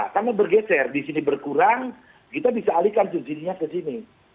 karena bergeser di sini berkurang kita bisa alihkan subsidi nya ke sini